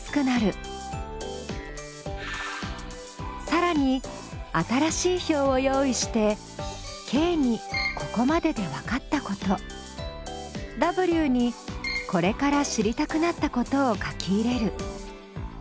さらに新しい表を用意してＫにここまででわかったことＷにこれから知りたくなったことを書き入れる。